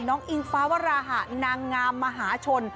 อิงฟ้าวราหะนางงามมหาชน